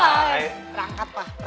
rangkat kita pak